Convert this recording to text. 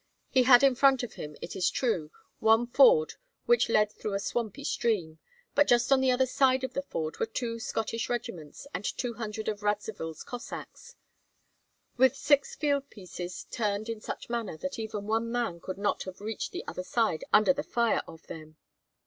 He had in front of him, it is true, one ford which led through a swampy stream, but just on the other side of the ford were two Scottish regiments and two hundred of Radzivill's Cossacks, with six fieldpieces, turned in such manner that even one man could not have reached the other side under the fire of them.